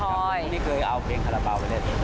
ครับผมที่เคยเอาเพลงฮาราเบาแรก